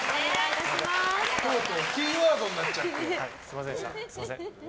とうとうキーワードになっちゃって。